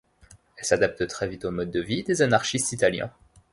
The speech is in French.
Elle s'adapte très vite au mode de vie des anarchistes italiens.